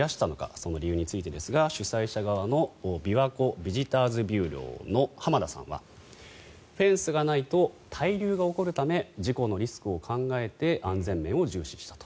その理由についてですが主催者側のびわこビジターズビューローの濱田さんはフェンスがないと滞留が起こるため事故のリスクを考えて安全面を重視したと。